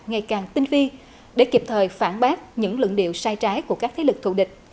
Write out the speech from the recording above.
ngày càng tinh vi để kịp thời phản bác những luận điệu sai trái của các thế lực thù địch